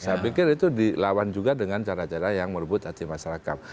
saya pikir itu dilawan juga dengan cara cara yang merebut hati masyarakat